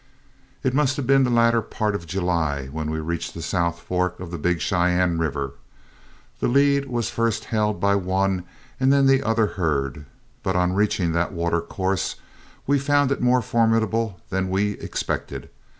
It must have been the latter part of July when we reached the South Fork of the Big Cheyenne River. The lead was first held by one and then the other herd, but on reaching that watercourse, we all found it more formidable than we expected.